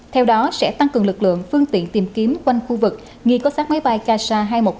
theo đó sẽ tăng cường lực lượng phương tiện tìm kiếm quanh khu vực nghi có sát máy bay kasa hai trăm một mươi tám